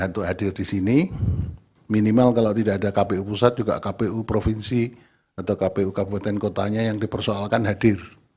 untuk hadir di sini minimal kalau tidak ada kpu pusat juga kpu provinsi atau kpu kabupaten kotanya yang dipersoalkan hadir